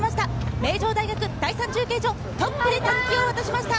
名城大学第３中継所、トップで襷を渡しました！